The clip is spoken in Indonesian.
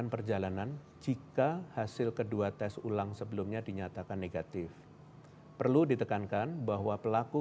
perlu ditekankan bahwa pelaku